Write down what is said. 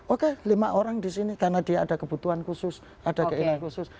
oke lima orang di sini karena dia ada kebutuhan khusus ada keinginan khusus